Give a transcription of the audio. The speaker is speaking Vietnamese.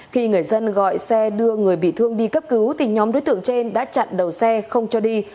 khi người dân gọi xe đưa người bị thương đi cấp cứu thì nhóm đối tượng trên đã chặn đầu xe không cho đi